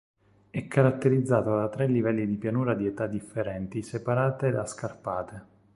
È caratterizzata da tre livelli di pianura di età differenti separate da scarpate.